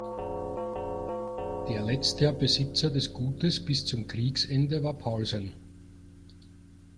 Der letzter Besitzer des Gutes bis zum Kriegsende war Paulsen.